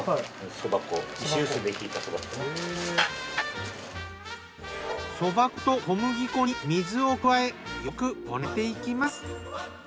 そば粉と小麦粉に水を加えよくこねていきます。